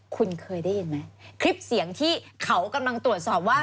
คุณเคยได้ยินไหมคลิปเสียงที่เขากำลังตรวจสอบว่า